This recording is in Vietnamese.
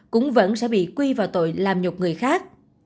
cũng vẫn sẽ bị quy vào tội làm nhục người khác